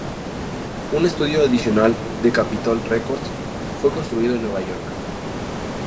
Un estudio adicional de Capitol Records fue construido en Nueva York.